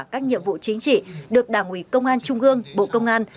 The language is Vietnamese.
các nhiệm vụ chính trị được đảng ủy công an trung gương bộ công an